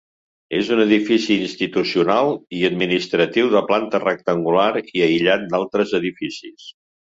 És un edifici institucional i administratiu de planta rectangular i aïllat d'altres edificis.